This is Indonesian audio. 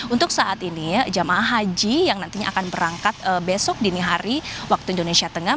untuk saat ini jamaah haji yang nantinya akan berangkat besok dini hari waktu indonesia tengah